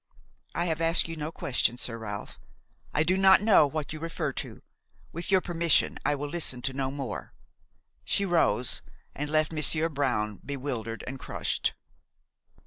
I have asked you no questions, Sir Ralph; I do not know what you refer to. With your permission I will listen to no more." She rose and left Monsieur Brown bewildered and crushed.